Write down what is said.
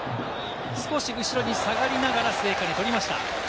少し後ろに下がりながら末包、取りました。